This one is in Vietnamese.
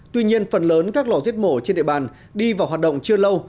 tuy nhiên phần lớn các lò giết mổ trên địa bàn đi vào hoạt động chưa lâu